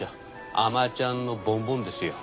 アマちゃんのボンボンですよ。